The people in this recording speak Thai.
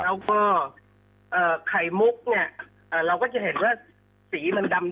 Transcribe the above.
แล้วก็ไข่มุกเนี่ยเราก็จะเห็นว่าสีมันดำ